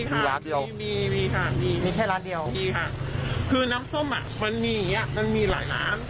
มีค่ะมีค่ะมีแค่ร้านเดียวมีค่ะคือน้ำส้มมันมีอย่างงี้มันมีหลายร้าน